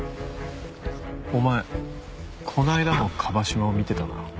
お前この間も椛島を見てたな。